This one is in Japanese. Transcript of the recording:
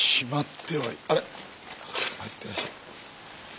帰ってらっしゃる。